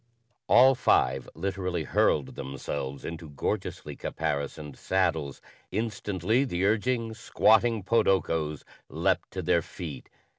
All five literally hurled themselves into gorgeously caparisoned saddles. Instantly, the urging squatting podokos leaped to their feet.